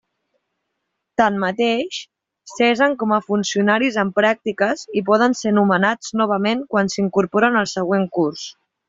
Tanmateix, cessen com a funcionaris en pràctiques i poden ser nomenats novament quan s'incorporen al següent curs.